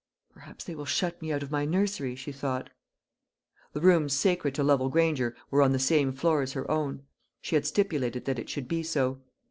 "Perhaps they will shut me out of my nursery," she thought. The rooms sacred to Lovel Granger were on the same floor as her own she had stipulated that it should be so.